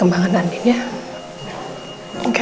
dan orang orang di kita juga nanya dur consek jan